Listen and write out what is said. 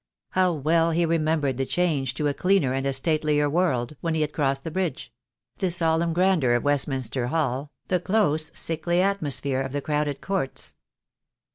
How well he remembered the change to a cleaner and a statelier world when he had crossed the bridge — the solemn grandeur of Westminster Hall, the close, sickly atmosphere of the crowded courts.